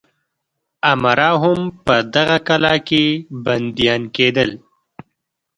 امرا هم په دغه کلا کې بندیان کېدل.